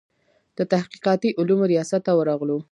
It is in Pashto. د تحقیقاتي علومو ریاست ته ورغلو.